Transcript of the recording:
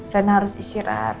rena harus istirahat